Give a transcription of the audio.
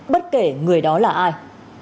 bất kể người đó là ai